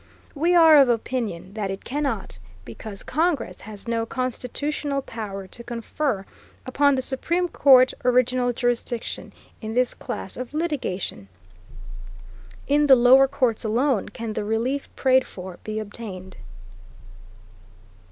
We are of opinion that it cannot, because Congress has no constitutional power to confer upon the Supreme Court original jurisdiction in this class of litigation. In the lower courts alone can the relief prayed for be obtained.